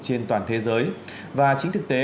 trên toàn thế giới và chính thực tế